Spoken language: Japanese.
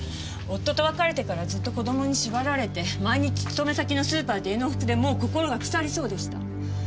夫と別れてからずっと子供に縛られて毎日勤め先のスーパーと家の往復でもう心は腐りそうでした。